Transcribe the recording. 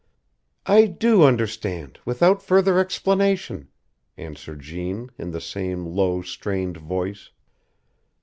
"I do understand, without further explanation," answered Jeanne, in the same low, strained voice.